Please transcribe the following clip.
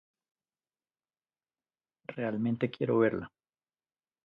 Realmente quiero verla".